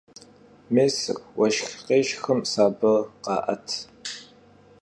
Mêsır vueşşx khêşşxım saber kha'et.